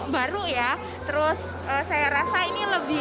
baru ya terus saya rasa ini lebih